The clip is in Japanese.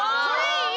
いい！